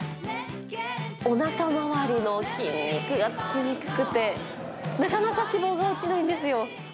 おなか回りの筋肉がつきにくくて、なかなか脂肪が落ちないんですよ。